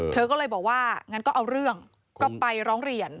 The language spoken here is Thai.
เธอก็เลยบอกว่างั้นก็เอาเรื่องก็ไปร้องเรียน